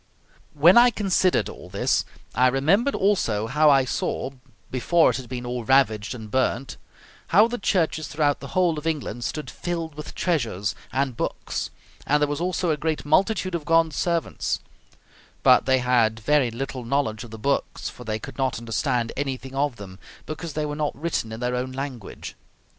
When I considered all this I remembered also how I saw, before it had been all ravaged and burnt, how the churches throughout the whole of England stood filled with treasures and books, and there was also a great multitude of God's servants; but they had very little knowledge of the books, for they could not understand anything of them, because they were not written in their own language.